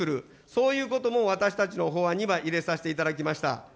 そういうことも私たちの法案には入れさせていただきました。